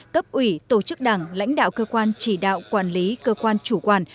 cấp ủy tổ chức đảng lãnh đạo cơ quan chỉ đạo quản lý cơ quan chủ quản